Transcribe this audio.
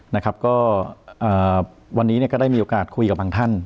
นะครับก็วันนี้ก็ได้มีโอกาสคุยกับบางท่าน